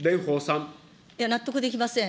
納得できません。